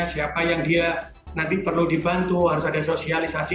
siapa yang dia nanti perlu dibantu harus ada sosialisasi